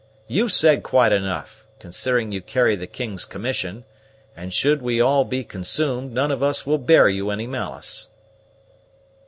You've said quite enough, considering you carry the king's commission; and should we all be consumed, none of us will bear you any malice."